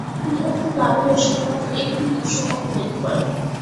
তিনি উক্ত ক্লাবের হয়ে শুধুমাত্র একটি মৌসুম অতিবাহিত করেন।